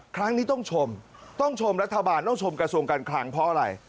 ครั้งนี้ต้องชมต้องชมรัฐบาลต้องชมกระทรวงการคลังเพราะอะไร